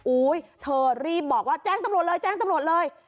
เธอรีบบอกว่าแจ้งตำรวจเลยแจ้งตำรวจเลย